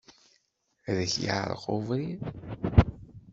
Ad ak-yeɛreq ubrid.